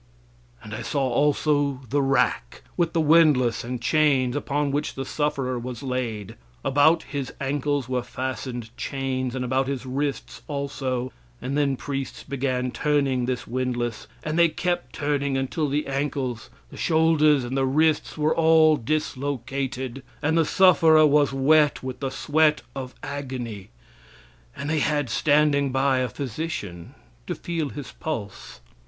And I saw also the rack, with the windlass and chains, upon which the sufferer was laid. About his ankles were fastened chains, and about his wrists also, and then priests began turning this windlass, and they kept turning until the ankles, the shoulders and the wrists were all dislocated, and the sufferer was wet with the sweat of agony. And they had standing by a physician to feel his pulse.